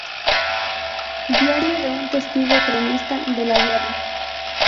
Diario de un testigo-cronista de la guerra".